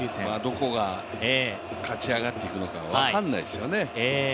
どこが勝ち上がっていくのか分からないですよね。